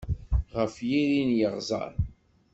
Ɣef yiri n yeɣẓeṛ.